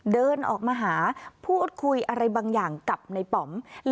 เดินออกมาหาพูดคุยอะไรบางอย่างกับในป๋อม